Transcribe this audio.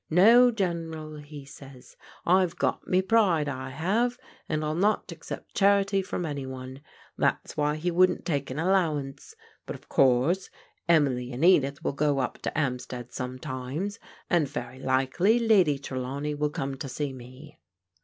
* No, General,' he says, * I've got me pride, I have, and I'll not accept charity from any one.' That's why he wouldn't take an allowance. But, of course, Emily and Edith will go up to 'Ampstead some times, and very likely Lady Trelawney will come to see me.